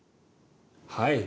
はい。